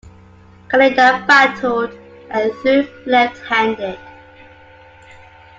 Kaneda batted and threw left-handed.